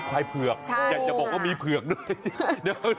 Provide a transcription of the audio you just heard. ควายเผือกอยากจะบอกว่ามีเผือกด้วย